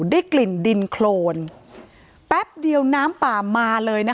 ได้กลิ่นดินโครนแป๊บเดียวน้ำป่ามาเลยนะคะ